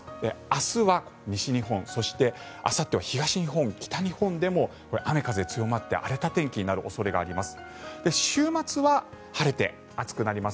明日は西日本そしてあさっては東日本、北日本でも雨、風強まって荒れた天気になる恐れがあります。